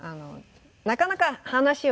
なかなか話を。